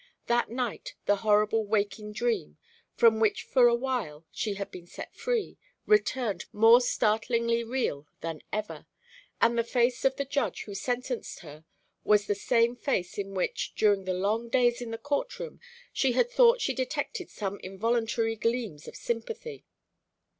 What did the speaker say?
That night the horrible waking dream, from which for awhile she had been free, returned more startlingly real than ever, and the face of the Judge who sentenced her was the same face in which, during the long days in the court room, she had thought she detected some involuntary gleams of sympathy.